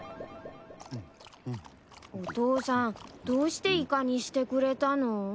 お父さんどうしてイカにしてくれたの？